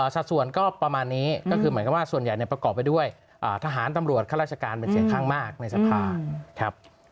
สัดส่วนก็ประมาณนี้ก็คือเหมือนกับว่าส่วนใหญ่เนี่ยประกอบไปด้วยทหารตำรวจข้าราชการเป็นเสียงข้างมากในสภาครับ